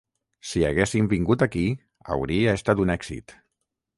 Si haguessin vingut aquí hauria estat un èxit.